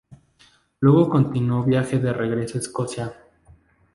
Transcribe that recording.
Luego continuó viaje de regreso a Escocia.